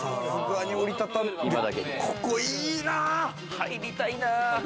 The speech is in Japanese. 入りたいな！